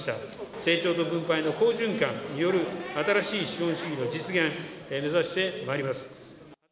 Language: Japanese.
成長と分配の好循環による新しい資本主義の実現、目指してまいります。